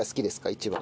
一番。